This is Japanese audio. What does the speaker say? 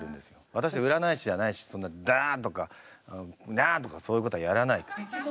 私占い師じゃないしそんな「ダア」とか「ヤ」とかそういうことはやらないから。